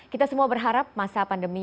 kita semua berharap masa pandemi